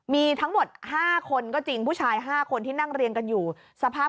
มีทั้งหมด๕คนก็จริงผู้ชาย๕คนที่นั่งเรียงกันอยู่สภาพ